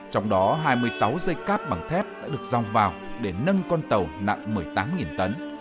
trong đó hai mươi sáu dây cáp bằng thép đã được rong vào để nâng con tàu nặng một mươi tám tấn